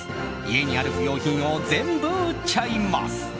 家にある不要品を全部売っちゃいます。